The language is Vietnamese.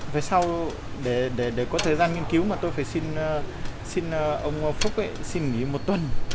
về sau để có thời gian nghiên cứu mà tôi phải xin ông phúc xin nghỉ một tuần